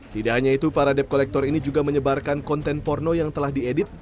tidak hanya itu para debt collector ini juga menyebarkan konten porno yang telah diedit